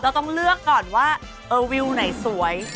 ต้องเลือกก่อนว่าวิวไหนสวย